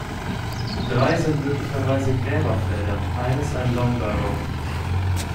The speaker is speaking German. Drei sind möglicherweise Gräberfelder, eines ein Long Barrow.